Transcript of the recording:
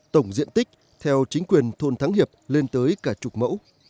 tổng diện tích theo chính quyền thôn thắng hiệp lên tới cả chục mẫu